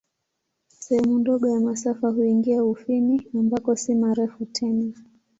Sehemu ndogo ya masafa huingia Ufini, ambako si marefu tena.